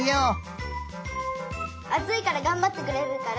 あついからがんばってくれるから。